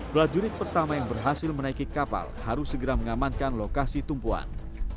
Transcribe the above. prajurit pertama yang berhasil menaiki kapal harus segera mengamankan lokasi tumpuan